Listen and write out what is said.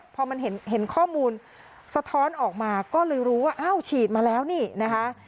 พอมันเห็นข้อมูลสะท้อนออกมาก็เลยรู้ว่าอ้าวฉีดมาแล้วนี่นะคะ